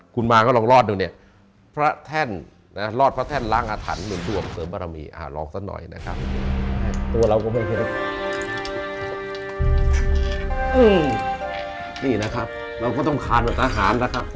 คุณมางก็ลองลอดตรงนี้พระเท่นลอดพระเท่นล้างอาถรรมมืนถั่วเสริมบารมีลองสักหน่อยนะครับ